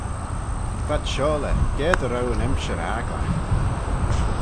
V'ad shiaulley ga dy row yn emshir agglagh.